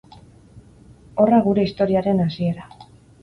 Horra gure historiaren hasiera.